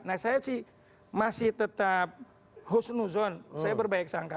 nah saya sih masih tetap husnuzon saya berbaik sangka